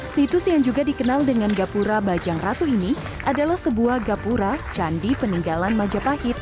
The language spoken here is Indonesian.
situs yang juga dikenal dengan gapura bajang ratu ini adalah sebuah gapura candi peninggalan majapahit